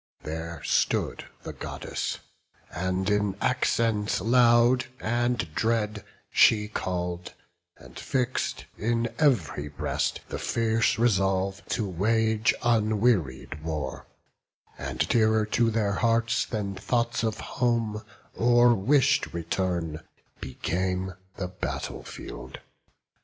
There stood the Goddess, and in accents loud And dread she call'd, and fix'd in ev'ry breast The fierce resolve to wage unwearied war; And dearer to their hearts than thoughts of home Or wish'd return, became the battle field.